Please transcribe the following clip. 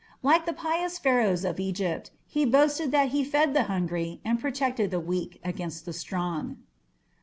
Like the pious Pharaohs of Egypt he boasted that he fed the hungry and protected the weak against the strong.